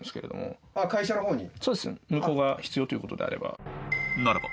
向こうが必要ということであれば。